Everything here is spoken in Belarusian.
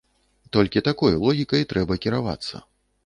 Толькі такой логікай трэба кіравацца.